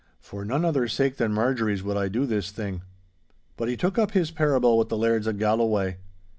For none other sake than Marjorie's would I do this thing!' But he took up his parable with the Lairds of Galloway.